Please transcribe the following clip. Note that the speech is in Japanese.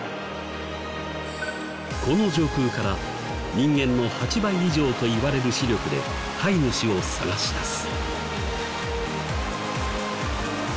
この上空から人間の８倍以上といわれる視力で飼い主を探し出す。